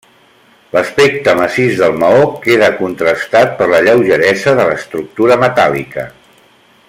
L'aspecte massís del maó queda contrastat per la lleugeresa de l'estructura metàl·lica.